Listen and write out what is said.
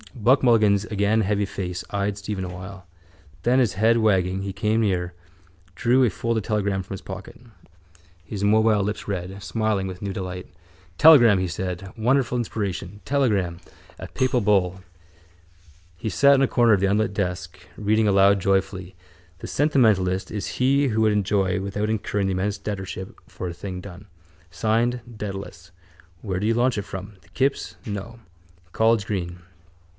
Buck Mulligan's again heavy face eyed Stephen awhile. Then, his head wagging, he came near, drew a folded telegram from his pocket. His mobile lips read, smiling with new delight. —Telegram! he said. Wonderful inspiration! Telegram! A papal bull! He sat on a corner of the unlit desk, reading aloud joyfully: —The sentimentalist is he who would enjoy without incurring the immense debtorship for a thing done. Signed: Dedalus. Where did you launch it from? The kips? No. College Green.